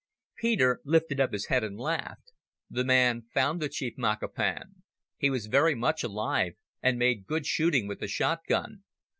Peter lifted up his head and laughed. "The man found the chief Makapan. He was very much alive, and made good shooting with a shot gun.